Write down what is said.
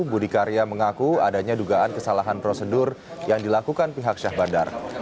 budi karya mengaku adanya dugaan kesalahan prosedur yang dilakukan pihak syah bandar